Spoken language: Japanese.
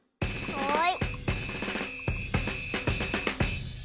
はい！